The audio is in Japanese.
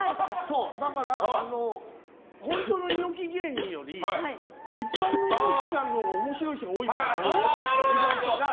本当の猪木芸人より一般の猪木さんのほうが面白い人が多いんだよね。